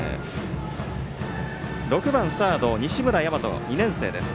６番サード、西村大和２年生です。